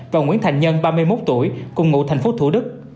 và nguyễn thành nhân ba mươi một tuổi cùng ngụ tp thủ đức